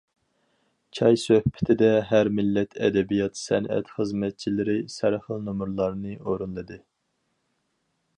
چاي سۆھبىتىدە، ھەر مىللەت ئەدەبىيات- سەنئەت خىزمەتچىلىرى سەرخىل نومۇرلارنى ئورۇنلىدى.